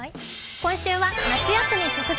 今週は「夏休み直前！